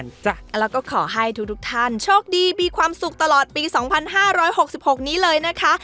แล้วก็ขอให้ทุกท่านโชคดีมีความสุขตลอดปี๒๕๖๖นี้เลยนะคะ